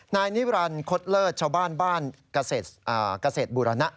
นายนิรันดิคตเลิศชาวบ้านบ้านเกษตรบูรณะ